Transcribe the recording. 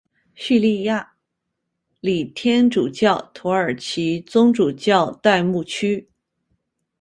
叙利亚礼天主教土耳其宗主教代牧区。